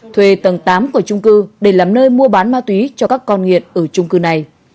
thuê tầng tám của trung cư để làm nơi mua bán ma túy cho các con nghiện ở trung cư này